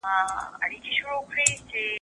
هر وګړی حق لري چي په سياسي ډګر کي برخه واخلي.